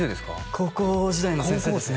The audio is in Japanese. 高校時代の先生ですね